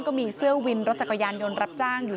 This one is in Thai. เกือบ๒แสนร้องกันทั้งหลาน